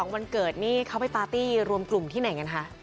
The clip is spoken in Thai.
วันเกิดนี่เขาไปปาร์ตี้รวมกลุ่มที่ไหนกันคะ